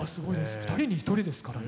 ２人に１人ですからね。